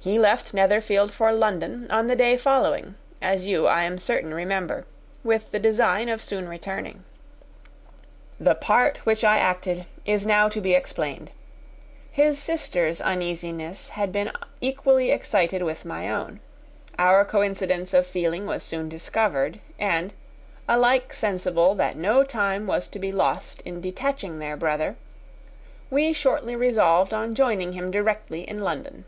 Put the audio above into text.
He left Netherfield for London on the day following, as you, I am certain, remember, with the design of soon returning. The part which I acted is now to be explained. His sisters' uneasiness had been equally excited with my own: our coincidence of feeling was soon discovered; and, alike sensible that no time was to be lost in detaching their brother, we shortly resolved on joining him directly in London.